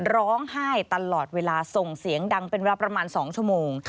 ร้องไห้ตลอดเวลาส่งเสียงดังเป็นเวลาประมาณ๒ชั่วโมง